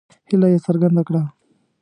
هیله یې څرګنده کړه.